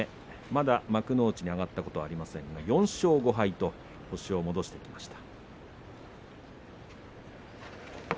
まだ幕内に上がったことはありませんが４勝５敗と星を戻してきました。